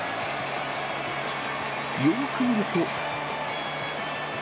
よく見ると。